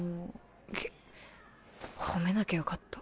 げっ褒めなきゃよかった。